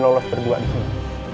lolos berdua disini